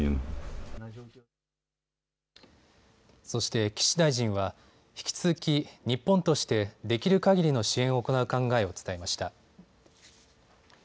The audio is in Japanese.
そして岸大臣は引き続き日本としてできるかぎりの支援を行う考えを伝えました。